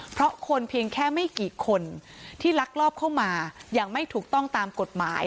เพราะคนเพียงแค่ไม่กี่คนที่ลักลอบเข้ามาอย่างไม่ถูกต้องตามกฎหมาย